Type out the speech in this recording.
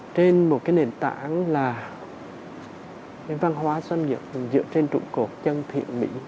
trên một cái nền tảng là cái văn hóa doanh nghiệp dựa trên trụng cột dân thiện mỹ